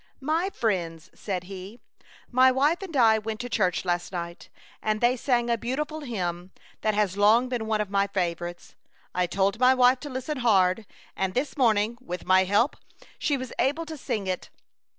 " My friends," said he, " my wife and I went g8 A Chautauqua Idyl. to church last night, and they sang a beautiful hymn that has long been one of my favorites. I told my wife to listen hard, and this morning, with my help, she was able to sing it.